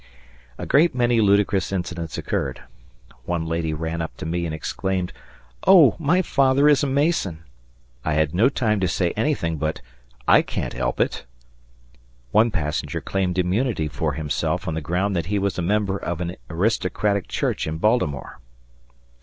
A great many ludicrous incidents occurred. One lady ran up to me and exclaimed, "Oh, my father is a Mason!" I had no time to say anything but, "I can't help it." One passenger claimed immunity for himself on the ground that he was a member of an aristocratic church in Baltimore.